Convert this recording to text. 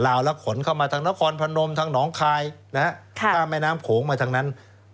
แล้วขนเข้ามาทางนครพนมทางหนองคายนะฮะข้ามแม่น้ำโขงมาทางนั้น